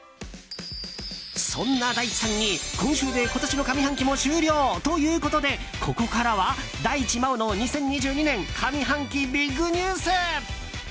そんな大地さんに今週で今年の上半期も終了ということで、ここからは大地真央の２０２２年上半期ビッグニュース。